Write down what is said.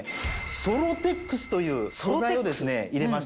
ソロテックスという素材を入れました。